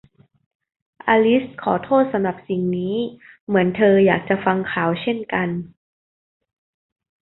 อลิซขอโทษสำหรับสิ่งนี้ เหมือนเธออยากจะฟังข่าวเช่นกัน